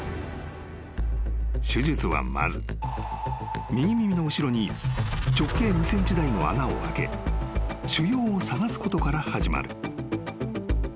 ［手術はまず右耳の後ろに直径２ｃｍ大の穴を開け腫瘍を探すことから始まる］